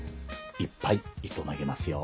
いっぱい糸投げますよ。